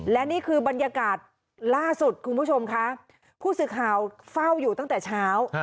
และนี่คือบรรยากาศล่าสุดคุณผู้ชมค่ะผู้สื่อข่าวเฝ้าอยู่ตั้งแต่เช้า